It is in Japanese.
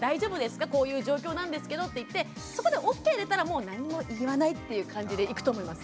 こういう状況なんですけどって言ってそこでＯＫ出たらもう何も言わないっていう感じでいくと思います。